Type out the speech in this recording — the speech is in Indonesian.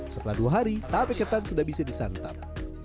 setelah dua hari tape ketan sudah bisa disantap